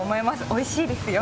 おいしいですよ。